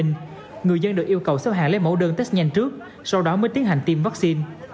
người dân được yêu cầu xếp hàng lấy mẫu đơn test nhanh trước sau đó mới tiến hành tiêm vaccine